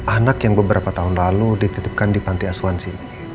anak yang beberapa tahun lalu dititipkan di panti asuhansi